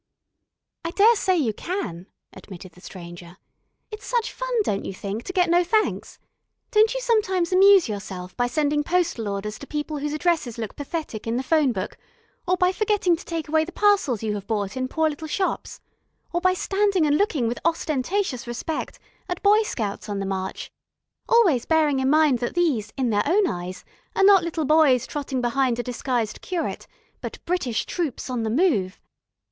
"I dare say you can," admitted the Stranger. "It's such fun, don't you think, to get no thanks? Don't you sometimes amuse yourself by sending postal orders to people whose addresses look pathetic in the telephone book, or by forgetting to take away the parcels you have bought in poor little shops? Or by standing and looking with ostentatious respect at boy scouts on the march, always bearing in mind that these, in their own eyes, are not little boys trotting behind a disguised curate, but British Troops on the Move?